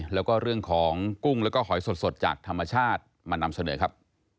แล้วก็เรื่องของกุ้งแล้วก็หอยสดจากธรรมชาติมานำเสนอครับ